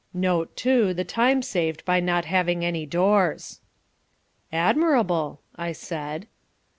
Note, too, the time saved by not having any doors." "Admirable," I said.